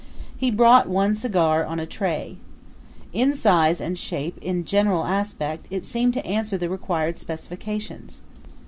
He brought one cigar on a tray. In size and shape and general aspect it seemed to answer the required specifications.